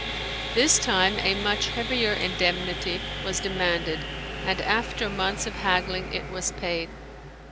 This time a much heavier indemnity was demanded and after months of haggling it was paid.